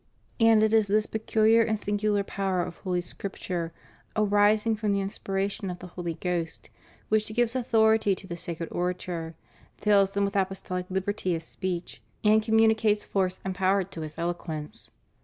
And it is this peculiar and singular power of Holy Script ure, arising from the inspiration of the Holy Ghost, which gives authority to the sacred orator, fills him with apostohc liberty of speech, and communicates force and power to his eloquence.